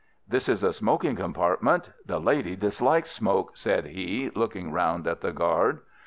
"This is a smoking compartment. The lady dislikes smoke," said he, looking round at the guard.